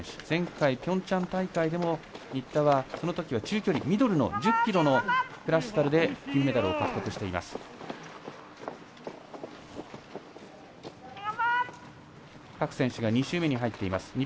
前回ピョンチャン大会でも新田はこのときは中距離ミドルの１０ｋｍのクラシカルで金メダルを獲得しています。